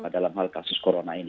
dalam hal kasus corona ini